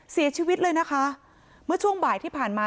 เสียชีวิตเลยนะคะเมื่อช่วงบ่ายที่ผ่านมา